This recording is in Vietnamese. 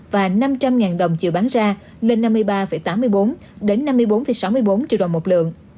và năm trăm linh đồng chiều bán ra lên năm mươi ba tám mươi bốn năm mươi bốn sáu mươi bốn triệu đồng một lượng